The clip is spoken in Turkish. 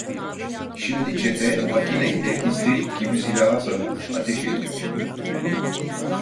Şimdi çete, makine ile histerik gibi silaha sarılmış ateş ediyordu.